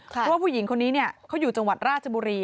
เพราะว่าผู้หญิงคนนี้เขาอยู่จังหวัดราชบุรี